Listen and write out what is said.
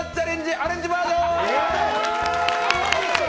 アレンジバージョン！